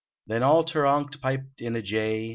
Then all ter onct piped in a jay.